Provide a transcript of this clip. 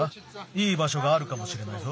いいばしょがあるかもしれないぞ。